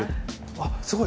あっすごい。